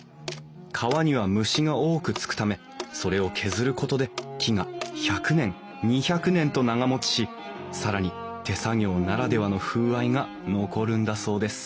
皮には虫が多くつくためそれを削ることで木が１００年２００年と長もちし更に手作業ならではの風合いが残るんだそうです